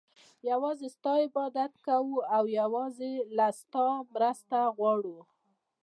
يوازي ستا عبادت كوو او يوازي له تا مرسته غواړو